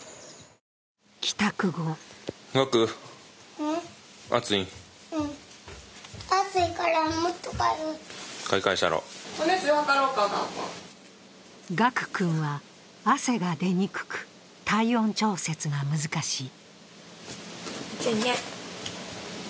帰宅後賀久君は汗が出にくく体温調節が難しい。